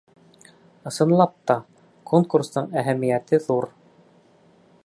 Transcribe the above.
— Ысынлап та, конкурстың әһәмиәте ҙур.